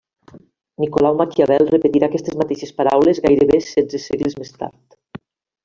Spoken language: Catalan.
Nicolau Maquiavel repetirà aquestes mateixes paraules gairebé setze segles més tard.